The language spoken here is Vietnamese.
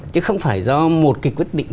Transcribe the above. chứ không phải do một cái quyết định